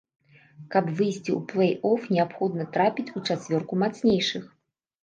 Каб выйсці ў плэй-оф, неабходна трапіць у чацвёрку мацнейшых.